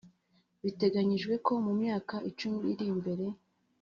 Biteganyijwe ko mu myaka icumi iri imbere